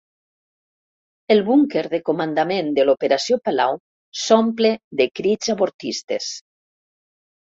El búnquer de comandament de l'Operació Palau s'omple de crits avortistes.